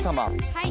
はい。